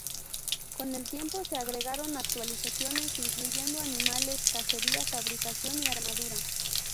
Con el tiempo, se agregaron actualizaciones, incluyendo animales, cacería, fabricación y armadura.